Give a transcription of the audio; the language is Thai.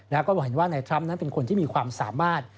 แล้วก็เห็นว่านายทรัมป์นั้นเป็นคนที่มีความสามารถ